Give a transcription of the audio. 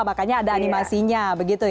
makanya ada animasinya begitu